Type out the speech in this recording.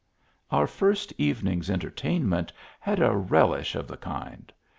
Our first evening s entertainment had a relish of the kind.